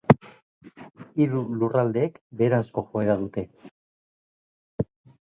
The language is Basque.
Hiru lurraldeek beheranzko joera dute.